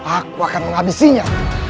aku akan menghabisinya